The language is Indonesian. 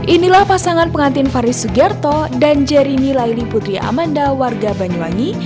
inilah pasangan pengantin faris sugerto dan jerini laili putri amanda warga banyuwangi